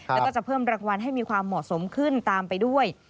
แล้วก็จะเพิ่มรางวัลให้มีความเหมาะสมขึ้นตามไปด้วย